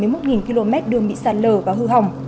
hơn bảy mươi một km đường bị sạt lở và hư hỏng